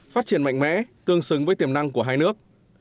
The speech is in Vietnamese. phát triển mạnh mẽ tương xứng với tiềm năng của hai nước